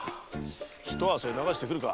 ひと汗流してくるか。